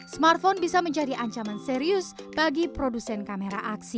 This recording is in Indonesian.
smartphone bisa menjadi ancaman serius bagi produsen kamera aksi